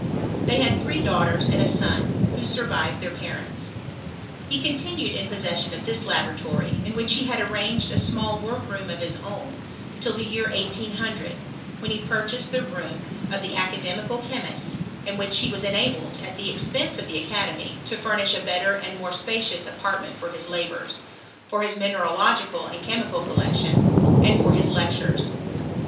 They had three daughters and a son, ■who survived their parents. He continued in pos session of this laboratory, in which he had arranged a small work room of his own, till the year 1800, when he purchased the room of the Academical Che mists, in which he was enabled, at the expense of the academy, to fomish a better and more spacious apartment for his labours, for bis mineralogical and chemical collection, and for his lectures.